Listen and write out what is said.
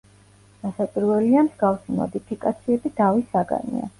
რასაკვირველია, მსგავსი მოდიფიკაციები დავის საგანია.